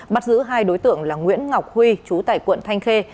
bắt giữ hai đối tượng là nguyễn ngọc huy chú tại quận thanh khê